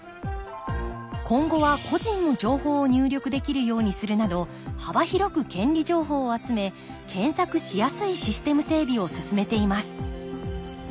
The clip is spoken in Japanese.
今後は個人の情報を入力できるようにするなど幅広く権利情報を集め検索しやすいシステム整備を進めています